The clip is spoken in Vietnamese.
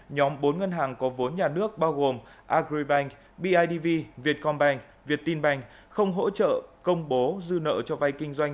nhóm bốn ngân hàng có vốn nhà nước bao gồm agribank bidv vietcombank viettinbank không hỗ trợ công bố dư nợ cho vay kinh doanh